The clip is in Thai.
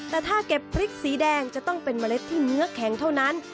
แต่ถ้าเก็บพริกสีแดงจะต้องเป็นเมล็ดที่เนื้อแข็งเท่านั้น